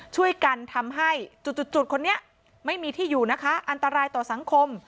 ช่วยกันทำให้จุดจุดคนนี้ไม่มีที่อยู่นะคะอันตรายต่อสังคม